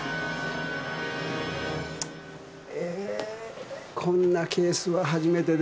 えーこんなケースは初めてです。